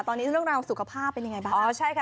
ตอนนี้เรื่องราวสุขภาพเป็นยังไงบ้าง